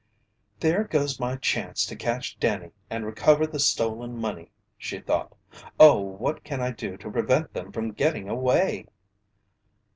"There goes my chance to catch Danny and recover the stolen money!" she thought. "Oh, what can I do to prevent them from getting away?"